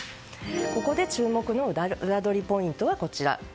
ここで注目のウラどりポイントです。